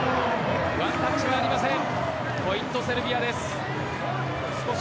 ワンタッチはありません。